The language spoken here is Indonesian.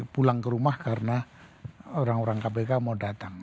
pulang ke rumah karena orang orang kpk mau datang